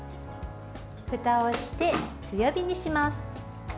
ふたをして強火にします。